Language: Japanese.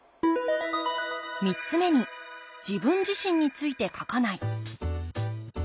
３つ目に「自分自身について書かない」。